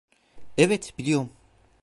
Evet, biliyorum.